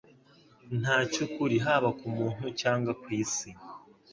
Nta cy'ukuri haba ku muntu cyangwa ku isi.